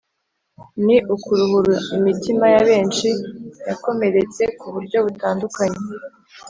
ni ukuruhura imitima ya benshi, yakomeretse kuburyo butandukanye